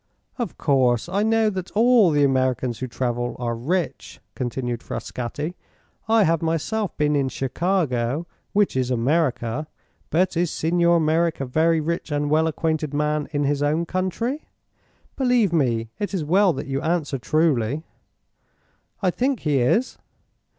"Of course, I know that all the Americans who travel are rich," continued Frascatti. "I have myself been in Chicago, which is America. But is Signor Merreek a very rich and well acquainted man in his own country? Believe me, it is well that you answer truly." "I think he is."